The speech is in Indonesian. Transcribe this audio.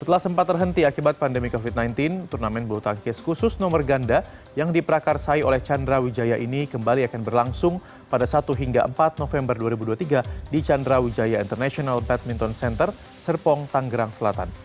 setelah sempat terhenti akibat pandemi covid sembilan belas turnamen bulu tangkis khusus nomor ganda yang diprakarsai oleh chandra wijaya ini kembali akan berlangsung pada satu hingga empat november dua ribu dua puluh tiga di chandra wijaya international badminton center serpong tanggerang selatan